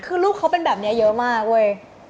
คือลูกเขาเป็นแบบนี้เยอะมากเว้ย